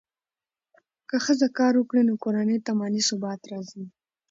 که ښځه کار وکړي، نو کورنۍ ته مالي ثبات راځي.